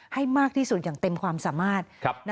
ให้มากที่สุดอย่างเต็มความสามารถ